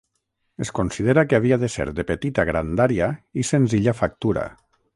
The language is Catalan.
Es considera que havia de ser de petita grandària i senzilla factura.